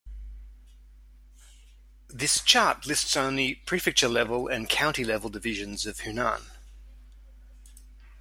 This chart lists only prefecture-level and county-level divisions of Hunan.